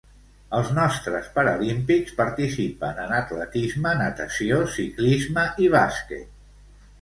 Els nostres paralímpics participen en atletisme, natació, ciclisme i bàsquet.